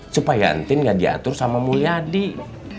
supaya entin gak diatur sama mulia adik